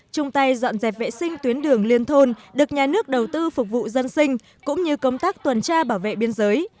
chung tay dọn dẹp vệ sinh tuyến đường liên thôn được nhà nước đầu tư phục vụ dân sinh cũng như công tác tuần tra bảo vệ biên giới